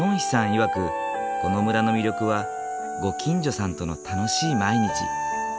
いわくこの村の魅力はご近所さんとの楽しい毎日。